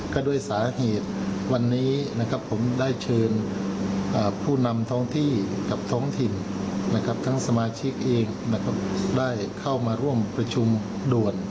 ก็ด้วยสาเหตุวันนี้นะครับผมได้เชิญผู้นำท้องที่กับท้องถิ่นนะครับทั้งสมาชิกเองได้เข้ามาร่วมประชุมด่วน